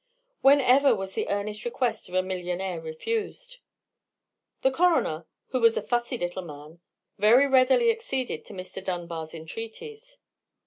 When ever was the earnest request of a millionaire refused? The coroner, who was a fussy little man, very readily acceded to Mr. Dunbar's entreaties.